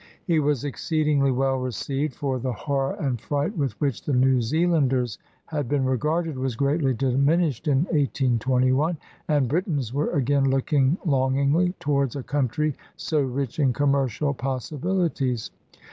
He was exceedingly well received, for the horror and fright with which the New Zealanders had been regarded was greatly diminished in 182 1, and Britons were again looking longingly towards a country so rich in commercial possibiUties.